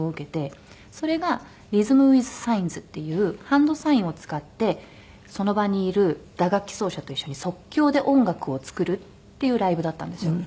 それがリズム・ウィズ・サインズっていうハンドサインを使ってその場にいる打楽器奏者と一緒に即興で音楽を作るっていうライブだったんですよ。